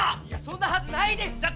いやそんなはずないです！